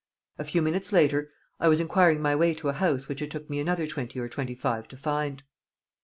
A few minutes later I was inquiring my way to a house which it took me another twenty or twenty five to find.